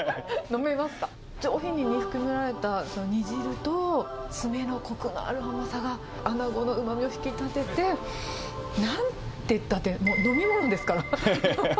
上品に煮含められたその煮汁と、詰めのこくのある甘さが、アナゴのうまみを引き立てて、なんてったってもう飲み物ですから。